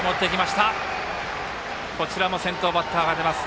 こちらも先頭バッターが出ます。